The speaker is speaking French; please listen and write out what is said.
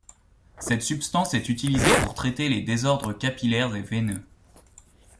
Cette substance est utilisée pour traiter les désordres capillaires et veineux.